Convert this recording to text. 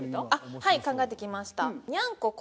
はい考えてきました。